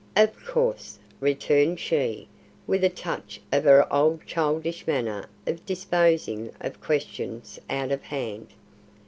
"Of course," returned she, with a touch of her old childish manner of disposing of questions out of hand.